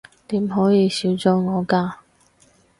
點可以少咗我㗎